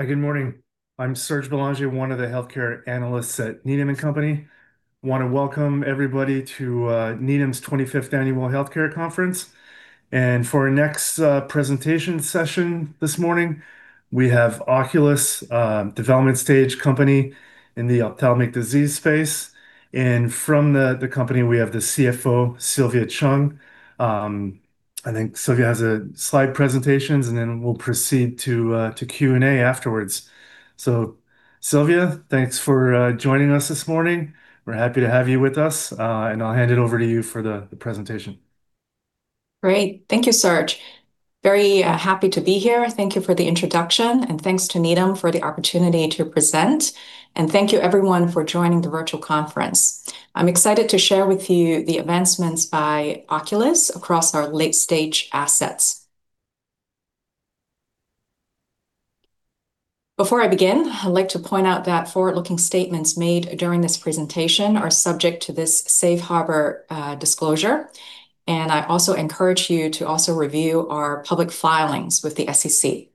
Hi, good morning. I'm Serge Belanger, one of the healthcare analysts at Needham & Company. Want to welcome everybody to Needham's 25th Annual Healthcare Conference. For our next presentation session this morning, we have Oculis development stage company in the ophthalmic disease space. From the company, we have the CFO, Sylvia Cheung. I think Sylvia has slide presentations, and then we'll proceed to Q&A afterwards. Sylvia, thanks for joining us this morning. We're happy to have you with us, and I'll hand it over to you for the presentation. Great. Thank you, Serge. I'm very happy to be here. Thank you for the introduction and thanks to Needham for the opportunity to present. Thank you everyone for joining the virtual conference. I'm excited to share with you the advancements by Oculis across our late-stage assets. Before I begin, I'd like to point out that forward-looking statements made during this presentation are subject to this safe harbor disclosure. I also encourage you to also review our public filings with the SEC.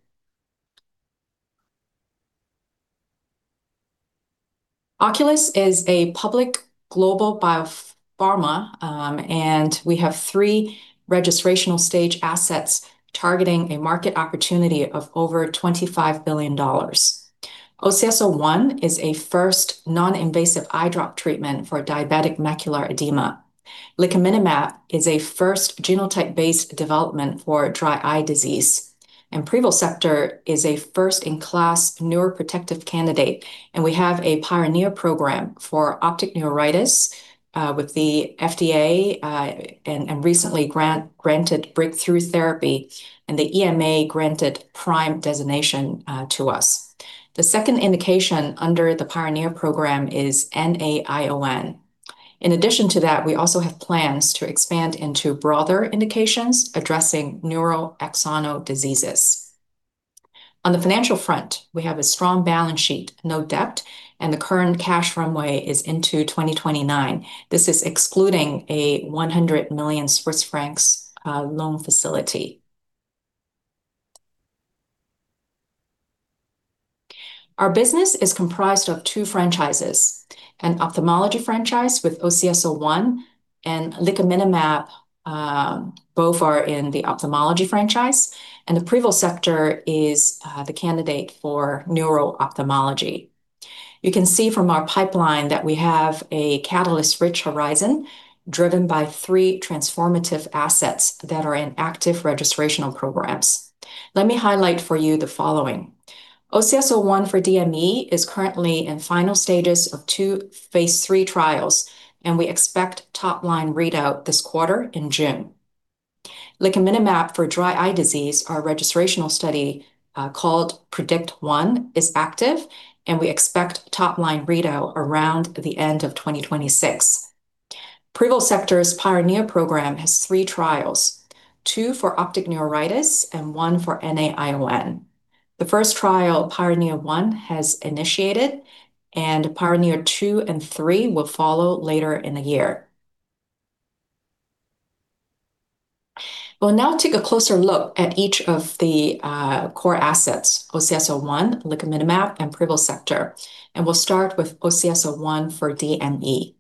Oculis is a public global biopharma. We have three registrational stage assets targeting a market opportunity of over $25 billion. OCS-01 is a first non-invasive eye drop treatment for diabetic macular edema. Licaminlimab is a first genotype-based development for dry eye disease. Privosegtor is a first-in-class neuroprotective candidate, and we have a PIONEER program for optic neuritis with the FDA, and recently granted Breakthrough Therapy, and the EMA granted PRIME designation to us. The second indication under the PIONEER program is NAION. In addition to that, we also have plans to expand into broader indications addressing neural axonal diseases. On the financial front, we have a strong balance sheet, no debt, and the current cash runway is into 2029. This is excluding a 100 million Swiss francs loan facility. Our business is comprised of two franchises, an ophthalmology franchise with OCS-01 and licaminlimab, both are in the ophthalmology franchise, and the privosegtor is the candidate for neuro-ophthalmology. You can see from our pipeline that we have a catalyst-rich horizon driven by three transformative assets that are in active registrational programs. Let me highlight for you the following. OCS-01 for DME is currently in final stages of two phase III trials, and we expect top-line readout this quarter in June. Licaminlimab for dry eye disease, our registrational study, called PREDICT-1, is active, and we expect top-line readout around the end of 2026. Privosegtor's PIONEER program has three trials, two for optic neuritis and one for NAION. The first trial, PIONEER-1, has initiated, and PIONEER-2 and three will follow later in the year. We'll now take a closer look at each of the core assets, OCS-01, licaminlimab, and privosegtor, and we'll start with OCS-01 for DME.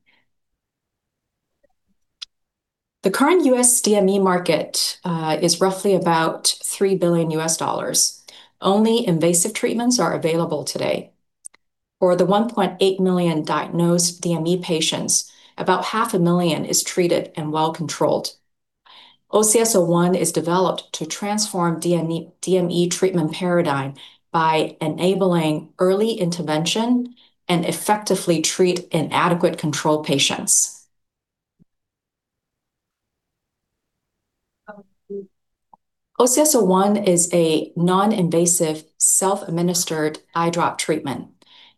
The current U.S. DME market is roughly about $3 billion. Only invasive treatments are available today. For the 1.8 million diagnosed DME patients, about 500,000 is treated and well-controlled. OCS-01 is developed to transform DME treatment paradigm by enabling early intervention and effectively treat inadequate control patients. OCS-01 is a non-invasive, self-administered eye drop treatment.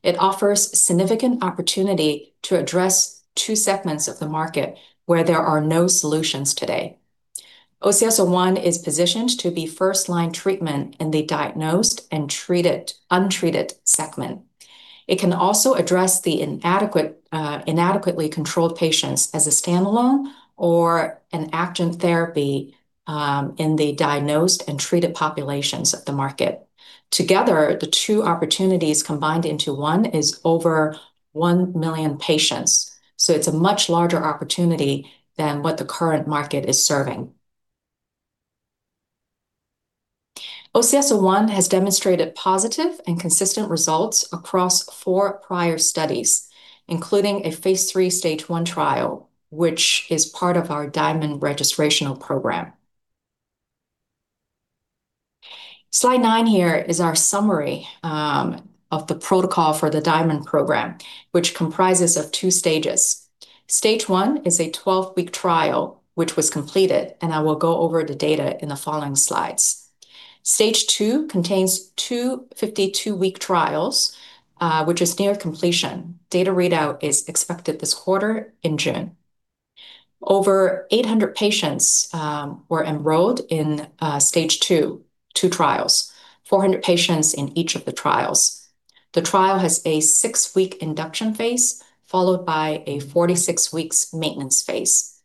It offers significant opportunity to address two segments of the market where there are no solutions today. OCS-01 is positioned to be first-line treatment in the diagnosed and untreated segment. It can also address the inadequately controlled patients as a standalone or an adjunct therapy in the diagnosed and treated populations of the market. Together, the two opportunities combined into one is over 1 million patients. It's a much larger opportunity than what the current market is serving. OCS-01 has demonstrated positive and consistent results across four prior studies, including a phase III stage I trial, which is part of our DIAMOND registrational program. Slide nine here is our summary of the protocol for the DIAMOND program, which comprises of two stages. Stage I is a 12-week trial, which was completed, and I will go over the data in the following slides. Stage II contains two 52-week trials, which is near completion. Data readout is expected this quarter in June. Over 800 patients were enrolled in stage II, two trials. 400 patients in each of the trials. The trial has a six-week induction phase, followed by a 46-weeks maintenance phase.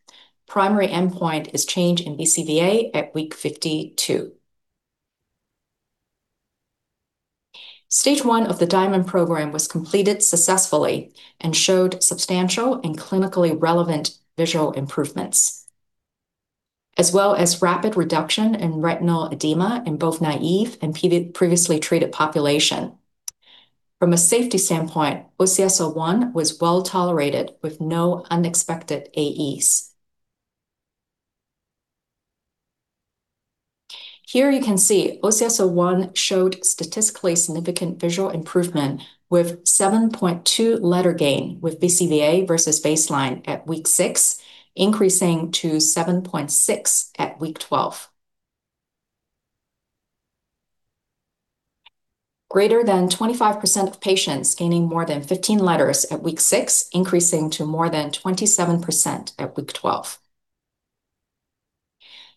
Primary endpoint is change in BCVA at week 52. Stage I of the DIAMOND program was completed successfully and showed substantial and clinically relevant visual improvements, as well as rapid reduction in retinal edema in both naive and previously treated population. From a safety standpoint, OCS-01 was well-tolerated with no unexpected AEs. Here you can see OCS-01 showed statistically significant visual improvement with 7.2 letter gain with BCVA versus baseline at week six, increasing to 7.6 at week 12. Greater than 25% of patients gaining more than 15 letters at week six, increasing to more than 27% at week 12.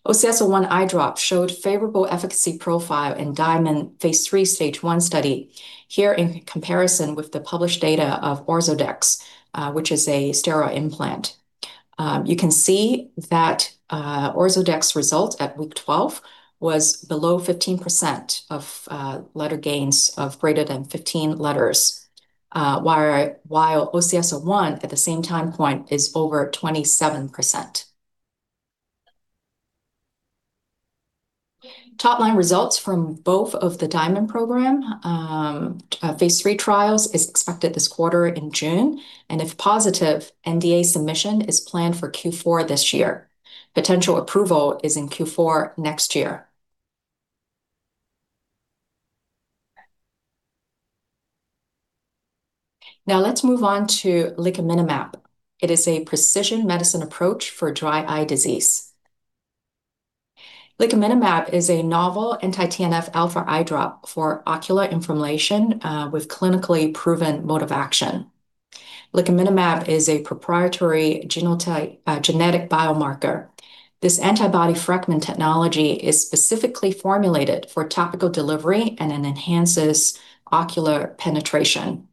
OCS-01 eye drop showed favorable efficacy profile in DIAMOND phase III, stage I study here in comparison with the published data of Ozurdex, which is a steroid implant. You can see that Ozurdex results at week 12 was below 15% of letter gains of greater than 15 letters, while OCS-01 at the same time point is over 27%. Top-line results from both of the DIAMOND program phase III trials is expected this quarter in June, and if positive, NDA submission is planned for Q4 this year. Potential approval is in Q4 next year. Now let's move on to licaminlimab. It is a precision medicine approach for dry eye disease. Licaminlimab is a novel anti-TNF alpha eye drop for ocular inflammation with clinically proven mode of action. Licaminlimab is a proprietary genetic biomarker. This antibody fragment technology is specifically formulated for topical delivery, and it enhances ocular penetration.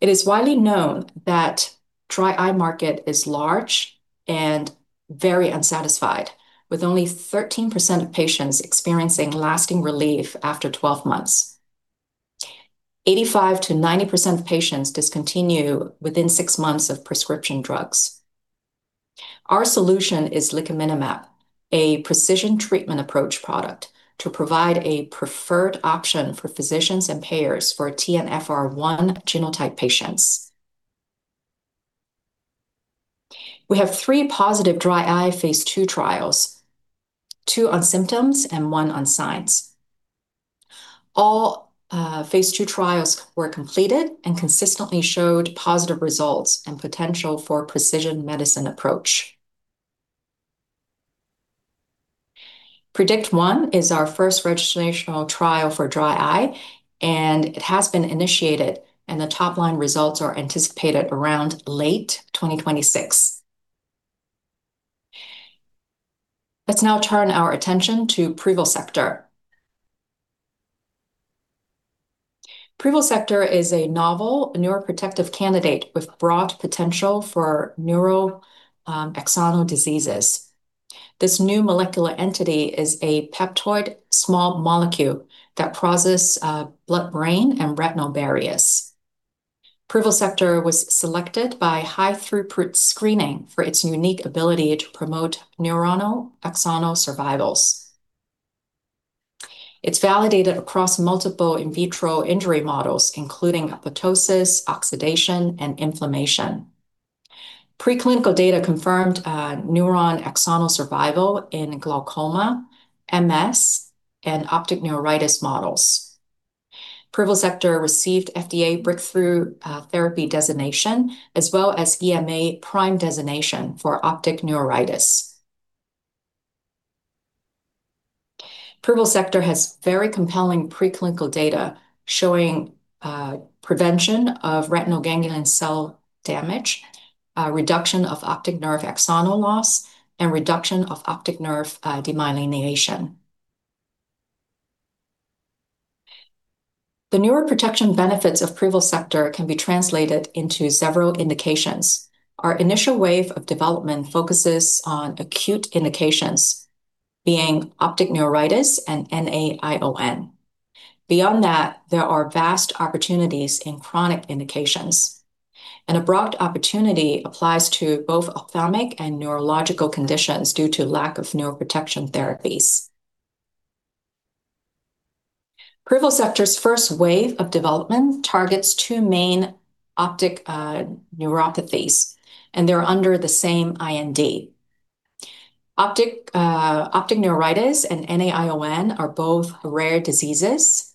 It is widely known that dry eye market is large and very unsatisfied, with only 13% of patients experiencing lasting relief after 12 months. 85%-90% of patients discontinue within six months of prescription drugs. Our solution is licaminlimab, a precision treatment approach product to provide a preferred option for physicians and payers for TNFR1 genotype patients. We have three positive dry eye phase II trials, two on symptoms and one on signs. All phase II trials were completed and consistently showed positive results and potential for precision medicine approach. PREDICT-1 is our first registrational trial for dry eye, and it has been initiated, and the top-line results are anticipated around late 2026. Let's now turn our attention to privosegtor. Privosegtor is a novel neuroprotective candidate with broad potential for neuroaxonal diseases. This new molecular entity is a peptoid small molecule that crosses blood-brain and retinal barriers. Privosegtor was selected by high-throughput screening for its unique ability to promote neuronal axonal survivals. It's validated across multiple in vitro injury models, including apoptosis, oxidation, and inflammation. Preclinical data confirmed neuron axonal survival in glaucoma, MS, and optic neuritis models. Privosegtor received FDA Breakthrough Therapy designation, as well as EMA PRIME designation for optic neuritis. Privosegtor has very compelling preclinical data showing prevention of retinal ganglion cell damage, reduction of optic nerve axonal loss, and reduction of optic nerve demyelination. The neuroprotection benefits of privosegtor can be translated into several indications. Our initial wave of development focuses on acute indications, being optic neuritis and NAION. Beyond that, there are vast opportunities in chronic indications. Broad opportunity applies to both ophthalmic and neurological conditions due to lack of neuroprotection therapies. Privosegtor's first wave of development targets two main optic neuropathies, and they're under the same IND. Optic neuritis and NAION are both rare diseases.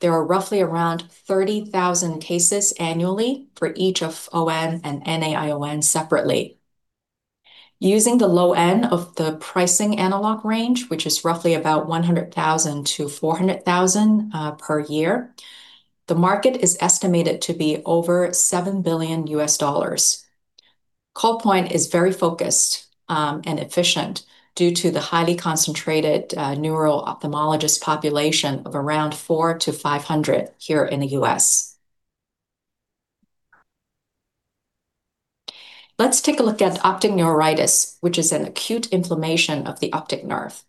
There are roughly around 30,000 cases annually for each of ON and NAION separately. Using the low end of the pricing analog range, which is roughly about $100,000-$400,000 per year, the market is estimated to be over $7 billion. Call point is very focused and efficient due to the highly concentrated neuro-ophthalmologist population of around 400-500 here in the U.S. Let's take a look at optic neuritis, which is an acute inflammation of the optic nerve.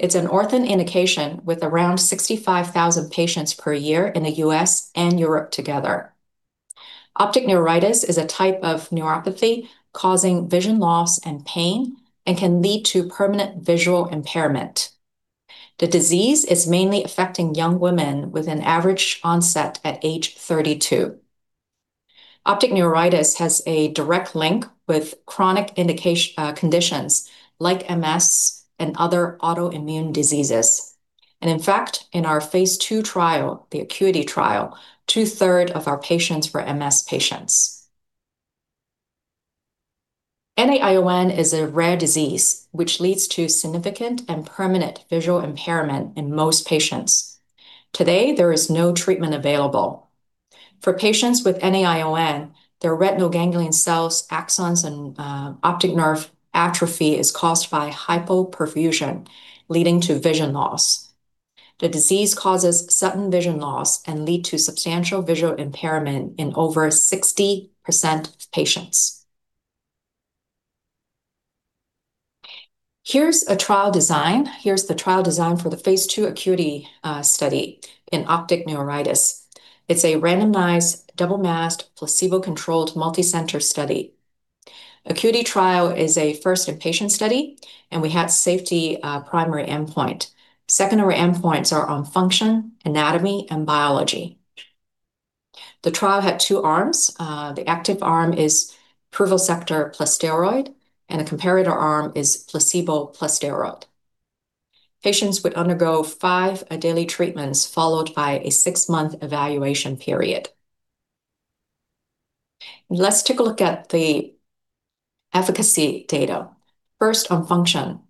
It's an orphan indication with around 65,000 patients per year in the U.S. and Europe together. Optic neuritis is a type of neuropathy causing vision loss and pain and can lead to permanent visual impairment. The disease is mainly affecting young women with an average onset at age 32. Optic neuritis has a direct link with chronic conditions like MS and other autoimmune diseases. In fact, in our phase II trial, the ACUITY trial, two-thirds of our patients were MS patients. NAION is a rare disease which leads to significant and permanent visual impairment in most patients. Today, there is no treatment available. For patients with NAION, their retinal ganglion cells, axons, and optic nerve atrophy is caused by hypoperfusion, leading to vision loss. The disease causes sudden vision loss and leads to substantial visual impairment in over 60% of patients. Here's the trial design for the phase II ACUITY study in optic neuritis. It's a randomized, double-masked, placebo-controlled, multi-center study. ACUITY trial is a first inpatient study, and we had safety primary endpoint. Secondary endpoints are on function, anatomy, and biology. The trial had two arms. The active arm is privosegtor plus steroid, and the comparator arm is placebo plus steroid. Patients would undergo five daily treatments, followed by a six-month evaluation period. Let's take a look at the efficacy data. First on function.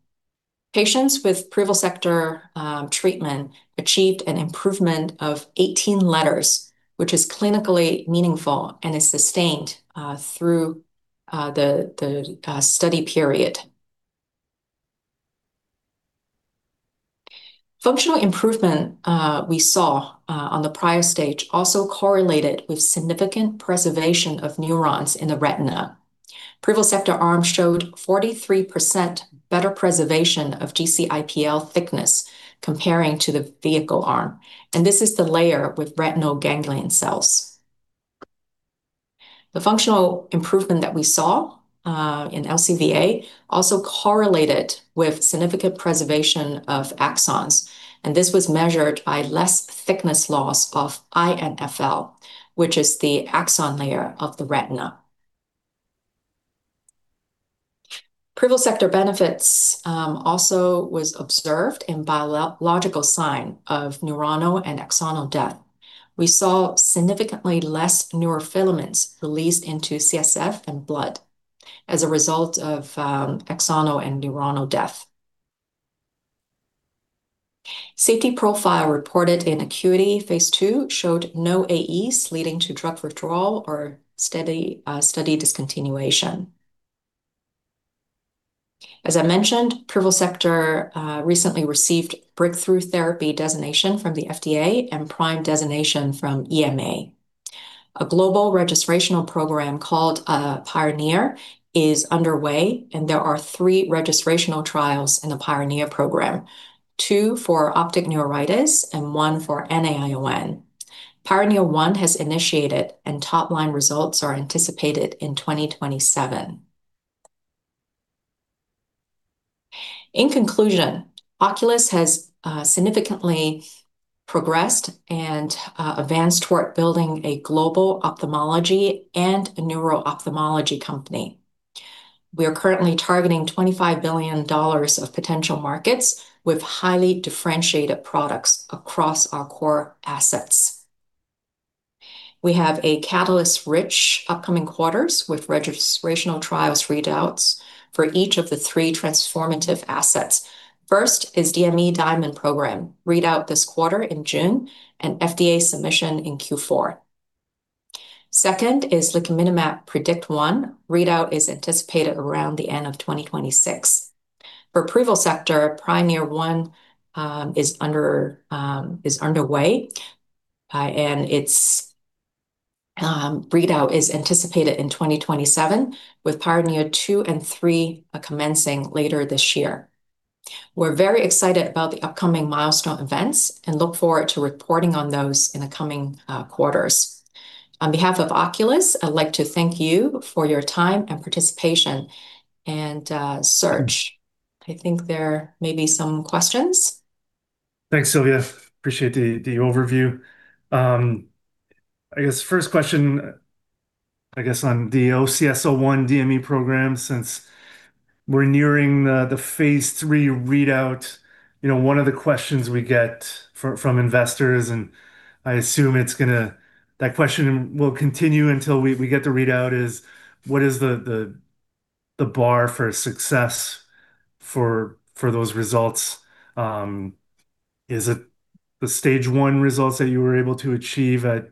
Patients with privosegtor treatment achieved an improvement of 18 letters, which is clinically meaningful and is sustained through the study period. Functional improvement we saw on the prior stage also correlated with significant preservation of neurons in the retina. Privosegtor arm showed 43% better preservation of GC-IPL thickness comparing to the vehicle arm, and this is the layer with retinal ganglion cells. The functional improvement that we saw in LCVA also correlated with significant preservation of axons, and this was measured by less thickness loss of RNFL, which is the axon layer of the retina. Privosegtor benefits also was observed in biological sign of neuronal and axonal death. We saw significantly less neurofilaments released into CSF and blood as a result of axonal and neuronal death. Safety profile reported in ACUITY phase II showed no AEs leading to drug withdrawal or study discontinuation. As I mentioned, privosegtor recently received Breakthrough Therapy designation from the FDA and PRIME designation from EMA. A global registrational program called PIONEER is underway, and there are three registrational trials in the PIONEER program, two for optic neuritis and one for NAION. PIONEER-1 has initiated, and top-line results are anticipated in 2027. In conclusion, Oculis has significantly progressed and advanced toward building a global ophthalmology and neuro-ophthalmology company. We are currently targeting $25 billion of potential markets with highly differentiated products across our core assets. We have a catalyst-rich upcoming quarters with registrational trials readouts for each of the three transformative assets. First is DME DIAMOND program, readout this quarter in June, and FDA submission in Q4. Second is licaminlimab PREDICT-1, readout is anticipated around the end of 2026. For privosegtor, PIONEER-1 is underway, and its readout is anticipated in 2027, with PIONEER-2 and 3 commencing later this year. We're very excited about the upcoming milestone events and look forward to reporting on those in the coming quarters. On behalf of Oculis, I'd like to thank you for your time and participation. Serge, I think there may be some questions. Thanks, Sylvia. Appreciate the overview. I guess on the OCS-01 DME program, since we're nearing the phase III readout, one of the questions we get from investors, and I assume that question will continue until we get the readout, is what is the bar for success for those results? Is it the stage I results that you were able to achieve at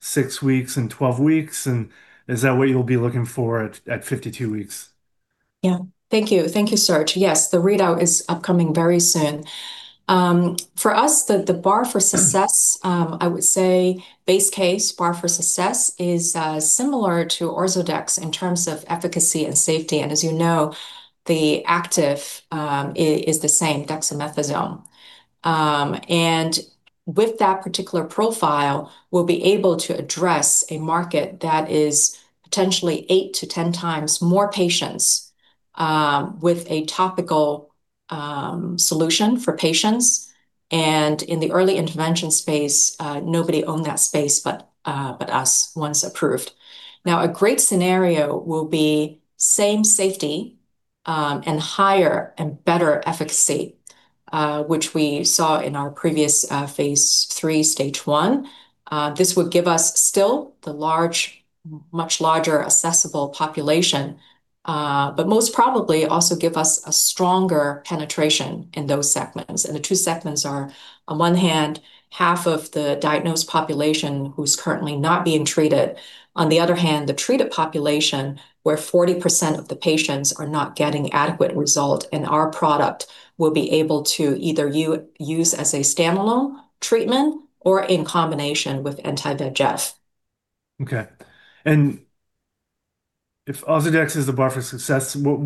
six weeks and 12 weeks? Is that what you'll be looking for at 52 weeks? Yeah. Thank you, Serge. Yes, the readout is upcoming very soon. For us, I would say base case bar for success is similar to Ozurdex in terms of efficacy and safety. As you know, the active is the same, dexamethasone. With that particular profile, we'll be able to address a market that is potentially 8-10x more patients with a topical solution for patients. In the early intervention space, nobody owned that space but us, once approved. Now, a great scenario will be same safety, and higher and better efficacy, which we saw in our previous phase III, stage I. This would give us still the much larger accessible population, but most probably also give us a stronger penetration in those segments. The two segments are, on one hand, half of the diagnosed population who's currently not being treated. On the other hand, the treated population, where 40% of the patients are not getting adequate result, and our product will be able to either use as a standalone treatment or in combination with anti-VEGF. Okay. If Ozurdex is the bar for success, I don't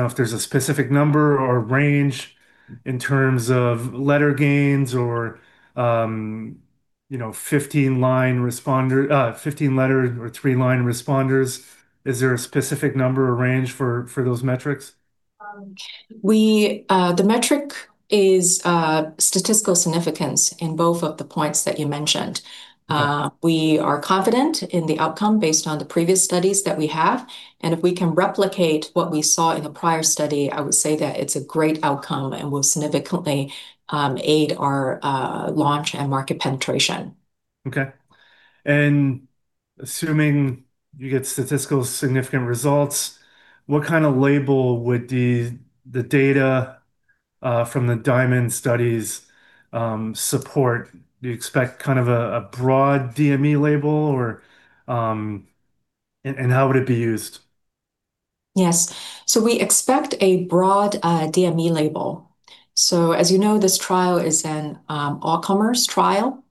know if there's a specific number or range in terms of letter gains or 15-letter or three-line responders. Is there a specific number or range for those metrics? The metric is statistical significance in both of the points that you mentioned. We are confident in the outcome based on the previous studies that we have, and if we can replicate what we saw in the prior study, I would say that it's a great outcome and will significantly aid our launch and market penetration. Okay. Assuming you get statistical significant results, what kind of label would the data from the DIAMOND studies support? Do you expect a broad DME label? How would it be used? Yes. We expect a broad DME label. As you know, this trial is an all-comers trial.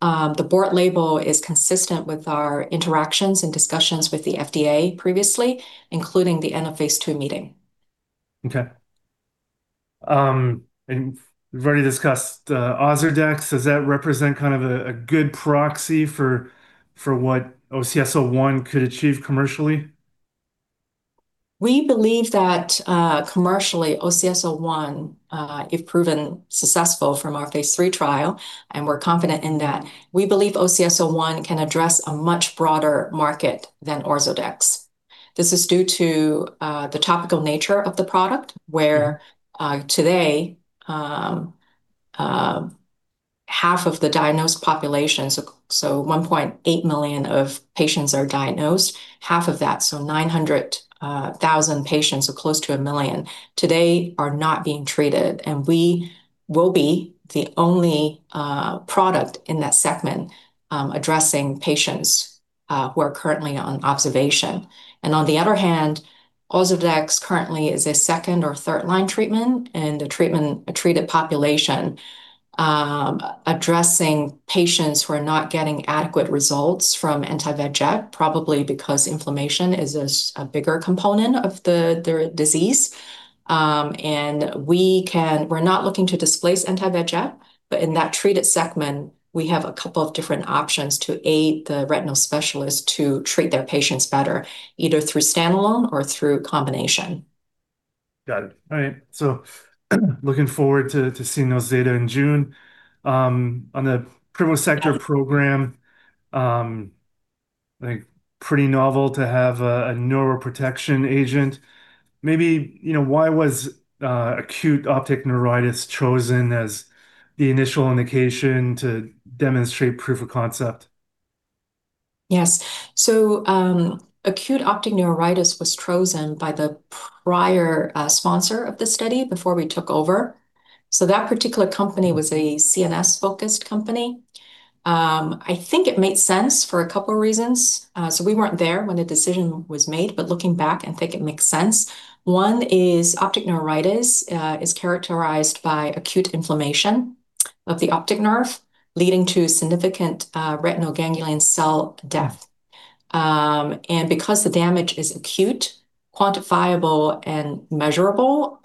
The broad label is consistent with our interactions and discussions with the FDA previously, including the end of phase II meeting. Okay. We've already discussed Ozurdex. Does that represent a good proxy for what OCS-01 could achieve commercially? We believe that commercially, OCS-01, if proven successful from our phase III trial, and we're confident in that, we believe OCS-01 can address a much broader market than Ozurdex. This is due to the topical nature of the product, where today, half of the diagnosed population, so 1.8 million of patients are diagnosed, half of that, so 900,000 patients or close to a million today are not being treated. We will be the only product in that segment addressing patients who are currently on observation. On the other hand, Ozurdex currently is a second or third-line treatment and a treated population addressing patients who are not getting adequate results from anti-VEGF, probably because inflammation is a bigger component of their disease. We're not looking to displace anti-VEGF, but in that treated segment, we have a couple of different options to aid the retinal specialist to treat their patients better, either through standalone or through combination. Got it. All right. I am looking forward to seeing those data in June. On the privosegtor program, pretty novel to have a neuroprotection agent. Maybe why was acute optic neuritis chosen as the initial indication to demonstrate proof of concept? Yes. Acute optic neuritis was chosen by the prior sponsor of the study before we took over. That particular company was a CNS-focused company. I think it made sense for a couple of reasons. We weren't there when the decision was made, but looking back, I think it makes sense. One is optic neuritis is characterized by acute inflammation of the optic nerve, leading to significant retinal ganglion cell death. Because the damage is acute, quantifiable, and measurable,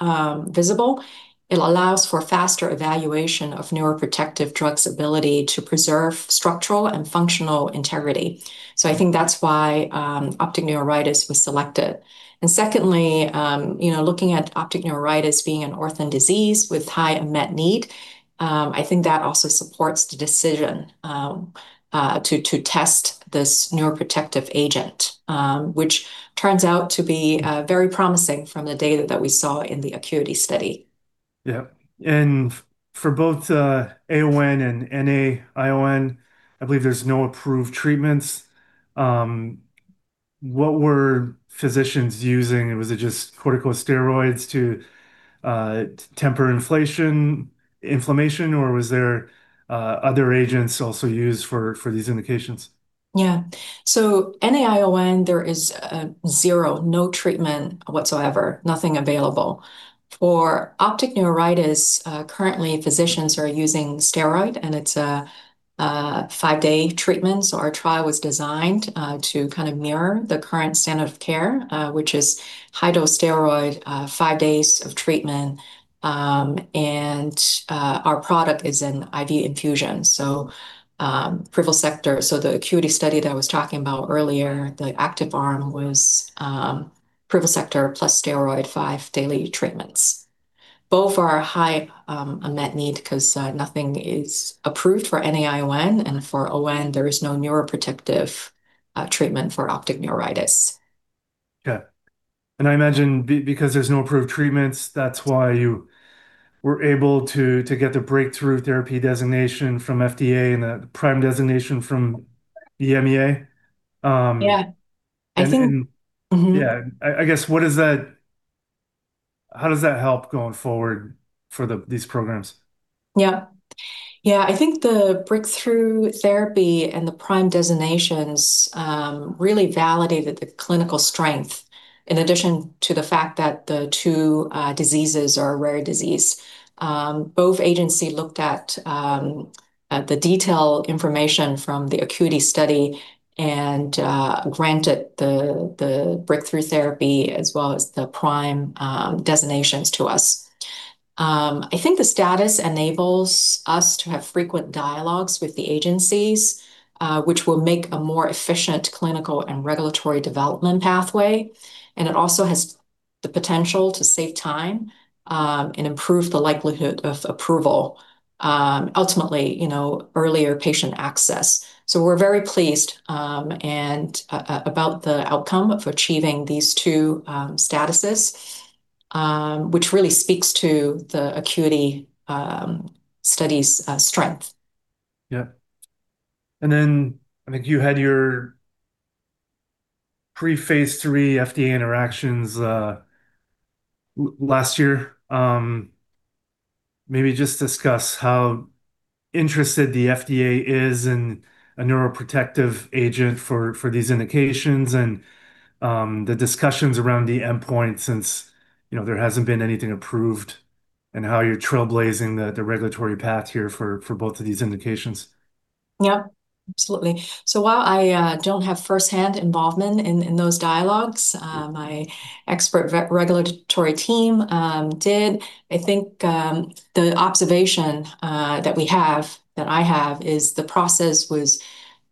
visible, it allows for faster evaluation of neuroprotective drugs' ability to preserve structural and functional integrity. I think that's why optic neuritis was selected. Secondly, looking at optic neuritis being an orphan disease with high unmet need, I think that also supports the decision to test this neuroprotective agent, which turns out to be very promising from the data that we saw in the ACUITY study. Yeah. For both ON and NAION, I believe there's no approved treatments. What were physicians using? Was it just corticosteroids to temper inflammation, or were there other agents also used for these indications? Yeah. NAION, there is zero, no treatment whatsoever, nothing available. For optic neuritis, currently, physicians are using steroid, and it's a five-day treatment. Our trial was designed to kind of mirror the current standard of care, which is high-dose steroid, five days of treatment, and our product is an IV infusion. The ACUITY study that I was talking about earlier, the active arm was privosegtor plus steroid, five daily treatments. Both are high unmet need because nothing is approved for NAION, and for ON, there is no neuroprotective treatment for optic neuritis. Okay. I imagine because there's no approved treatments, that's why you were able to get the Breakthrough Therapy designation from FDA and the PRIME designation from the EMA. Yeah, I think. Yeah. I guess, how does that help going forward for these programs? Yeah. I think the Breakthrough Therapy and the PRIME designations really validated the clinical strength, in addition to the fact that the two diseases are a rare disease. Both agencies looked at the detailed information from the ACUITY study and granted the Breakthrough Therapy as well as the PRIME designations to us. I think the status enables us to have frequent dialogues with the agencies, which will make a more efficient clinical and regulatory development pathway, and it also has the potential to save time and improve the likelihood of approval. Ultimately, earlier patient access. We're very pleased about the outcome of achieving these two statuses, which really speaks to the ACUITY study's strength. Yeah. I think you had your pre-phase III FDA interactions last year. Maybe just discuss how interested the FDA is in a neuroprotective agent for these indications and the discussions around the endpoint since there hasn't been anything approved, and how you're trailblazing the regulatory path here for both of these indications. Yeah. Absolutely. While I don't have firsthand involvement in those dialogues, my expert regulatory team did. I think the observation that I have is the process was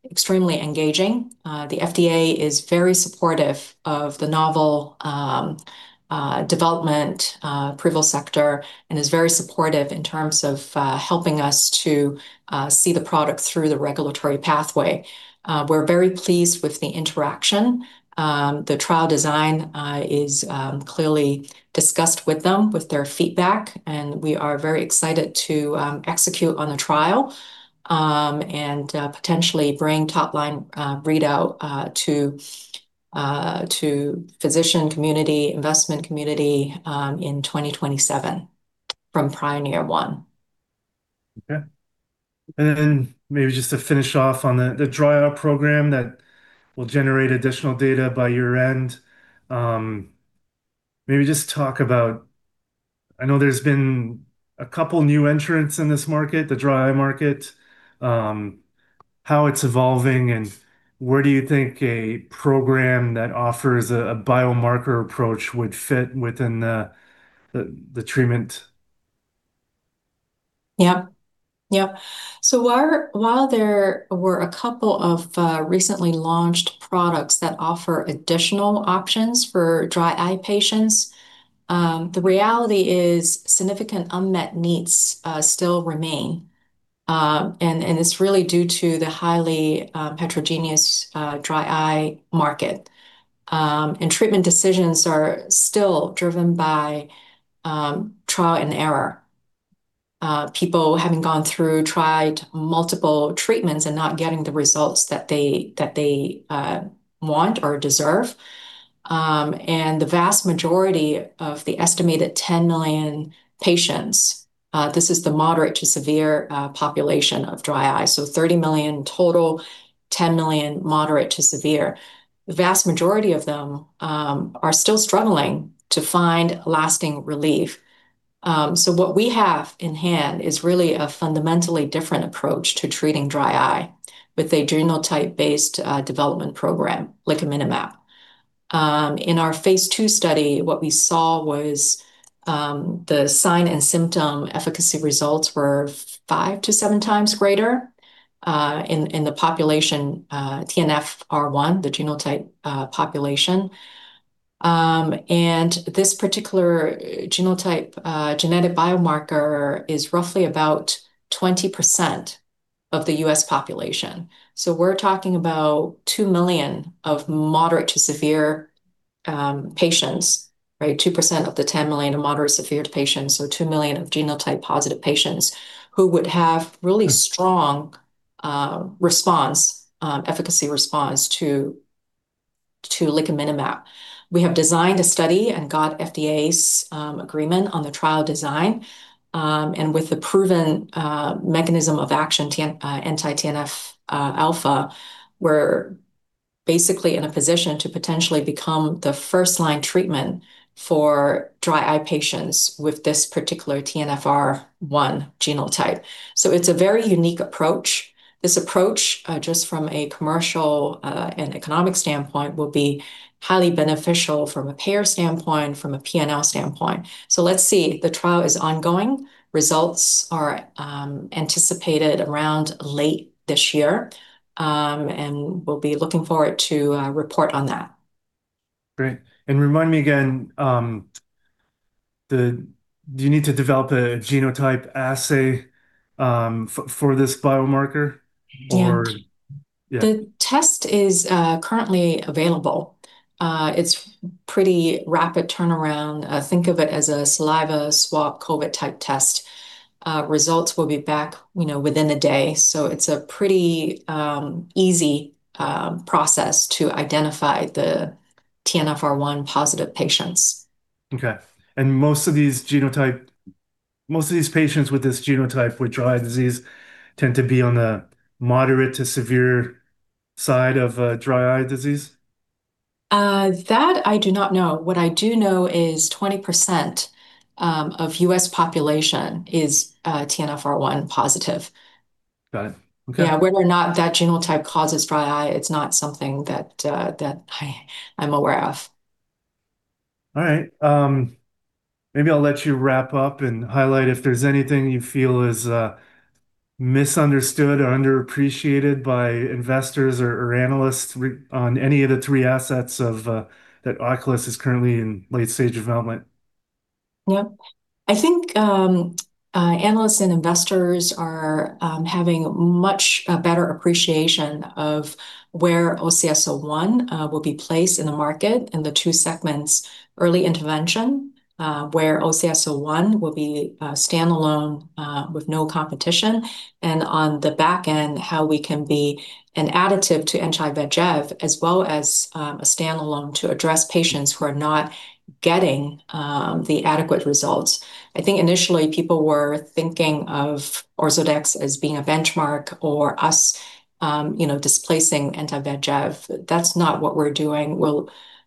extremely engaging. The FDA is very supportive of the novel development privosegtor and is very supportive in terms of helping us to see the product through the regulatory pathway. We're very pleased with the interaction. The trial design is clearly discussed with them, with their feedback, and we are very excited to execute on the trial, and potentially bring top-line readout to physician community, investment community in 2027 from PIONEER-1. Okay. Maybe just to finish off on the dry eye program that will generate additional data by year-end, maybe just talk about, I know there's been a couple new entrants in this market, the dry eye market, how it's evolving, and where do you think a program that offers a biomarker approach would fit within the treatment? Yeah. While there were a couple of recently launched products that offer additional options for dry eye patients, the reality is significant unmet needs still remain. It's really due to the highly heterogeneous dry eye market, and treatment decisions are still driven by trial and error, people having gone through, tried multiple treatments, and not getting the results that they want or deserve. The vast majority of the estimated 10 million patients, this is the moderate to severe population of dry eyes, 30 million total, 10 million moderate to severe. The vast majority of them are still struggling to find lasting relief. What we have in hand is really a fundamentally different approach to treating dry eye with a genotype-based development program, licaminlimab. In our phase II study, what we saw was the sign and symptom efficacy results were 5 to 7x greater, in the population TNFR1, the genotype population. This particular genotype genetic biomarker is roughly about 20% of the U.S. population. We're talking about two million of moderate-to-severe patients, 2% of the 10 million are moderate-severe patients, so 2 million of genotype-positive patients who would have really strong efficacy response to licaminlimab. We have designed a study and got FDA's agreement on the trial design. With the proven mechanism of action, anti-TNFα, we're basically in a position to potentially become the first-line treatment for dry eye patients with this particular TNFR1 genotype. It's a very unique approach. This approach, just from a commercial and economic standpoint, will be highly beneficial from a payer standpoint, from a P&L standpoint. So let's see. The trial is ongoing. Results are anticipated around late this year, and we'll be looking forward to report on that. Great. Remind me again, do you need to develop a genotype assay for this biomarker? Yeah. Yeah. The test is currently available. It's pretty rapid turnaround. Think of it as a saliva swab COVID type test. Results will be back within a day. It's a pretty easy process to identify the TNFR1 positive patients. Okay. Most of these patients with this genotype with dry eye disease tend to be on the moderate to severe side of dry eye disease? That, I do not know. What I do know is 20% of U.S. population is TNFR1 positive. Got it. Okay. Yeah. Whether or not that genotype causes dry eye, it's not something that I'm aware of. All right. Maybe I'll let you wrap up and highlight if there's anything you feel is misunderstood or underappreciated by investors or analysts on any of the three assets that Oculis is currently in late-stage development. Yeah. I think analysts and investors are having much better appreciation of where OCS-01 will be placed in the market in the two segments, early intervention where OCS-01 will be standalone with no competition, and on the back end, how we can be an additive to anti-VEGF as well as a standalone to address patients who are not getting the adequate results. I think initially people were thinking of Ozurdex as being a benchmark or us displacing anti-VEGF. That's not what we're doing.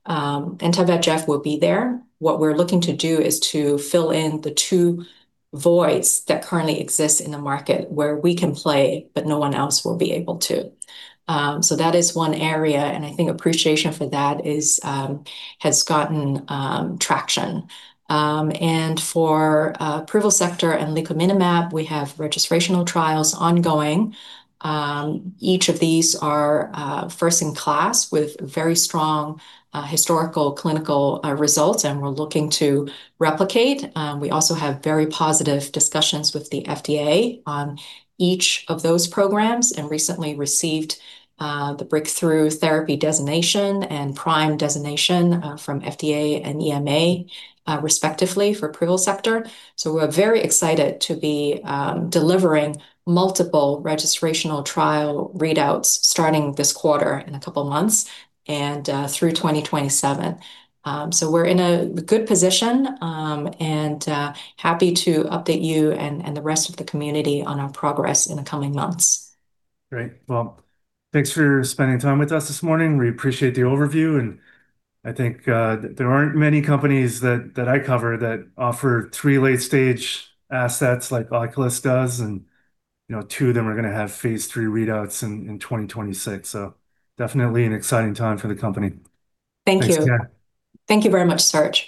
Anti-VEGF will be there. What we're looking to do is to fill in the two voids that currently exist in the market where we can play, but no one else will be able to. That is one area, and I think appreciation for that has gotten traction. For privosegtor and licaminlimab, we have registrational trials ongoing. Each of these are first-in-class with very strong historical clinical results, and we're looking to replicate. We also have very positive discussions with the FDA on each of those programs and recently received the Breakthrough Therapy designation and PRIME designation from FDA and EMA, respectively, for privosegtor. We're very excited to be delivering multiple registrational trial readouts starting this quarter in a couple of months and through 2027. We're in a good position and happy to update you and the rest of the community on our progress in the coming months. Great. Well, thanks for spending time with us this morning. We appreciate the overview. I think there aren't many companies that I cover that offer three late-stage assets like Oculis does, and two of them are going to have phase III readouts in 2026, so definitely an exciting time for the company. Thank you. Thanks, Sylvia. Thank you very much, Serge.